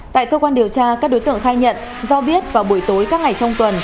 tại cơ quan điều tra các đối tượng khai nhận do biết vào buổi tối các ngày trong tuần